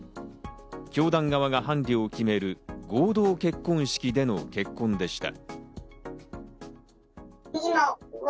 教団側が伴侶を決める、合同結婚式での結婚でした。